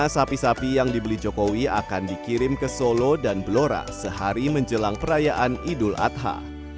sampai jumpa di video selanjutnya